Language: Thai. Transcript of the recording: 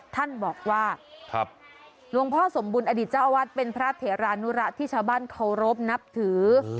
ท่านบอกว่าหลวงพ่อสมบูรณอดีตเจ้าอาวาสเป็นพระเถรานุระที่ชาวบ้านเคารพนับถือ